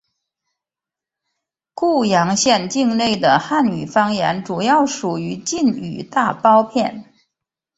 固阳县境内的汉语方言主要属于晋语大包片。